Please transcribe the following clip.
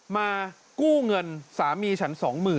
มากู้เงินสามีฉัน๒๐๐๐